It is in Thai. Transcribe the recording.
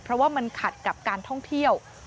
เพราะว่ามันขัดกับการท่องเที่ยว